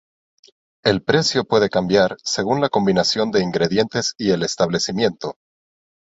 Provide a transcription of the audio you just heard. El precio puede cambiar según la combinación de ingredientes y el establecimiento.